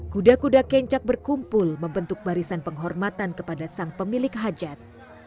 kuda kuda kencak berkumpul membentuk barisan penghormatan kepada sang pemilik hajat